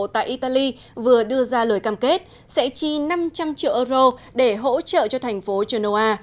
tại italy vừa đưa ra lời cam kết sẽ chi năm trăm linh triệu euro để hỗ trợ cho thành phố genoa